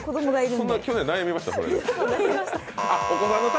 そんな去年、悩みました？